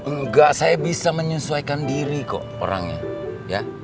enggak saya bisa menyesuaikan diri kok orangnya ya